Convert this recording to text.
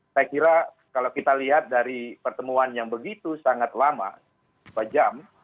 saya kira kalau kita lihat dari pertemuan yang begitu sangat lama dua jam